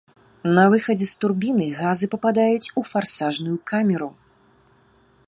На выхадзе з турбіны газы пападаюць у фарсажную камеру.